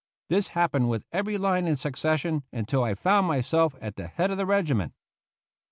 This hap pened with every line in succession, until I found myself at the head of the regiment.